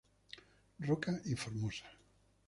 Roca y Formosa.